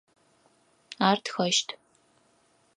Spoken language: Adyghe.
Ар тхэщт.